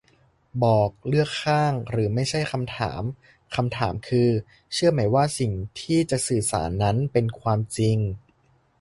บอก เลือกข้างหรือไม่ใช่คำถาม; คำถามคือ เชื่อไหมว่าสิ่งที่จะสื่อสารนั้นเป็นความจริง